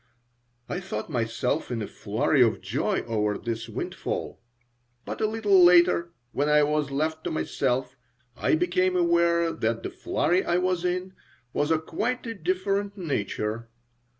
I thought myself in a flurry of joy over this windfall, but a little later, when I was left to myself, I became aware that the flurry I was in was of quite a different nature.